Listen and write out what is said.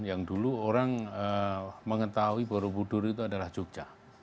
yang dulu orang mengetahui buru budur itu adalah jogja